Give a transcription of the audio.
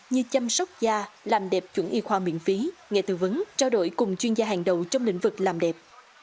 như chăm sóc da làm đẹp chuẩn y khoa miễn phí nghệ tư vấn trao đổi cùng chuyên gia hàng đầu trong lĩnh vực làm đẹp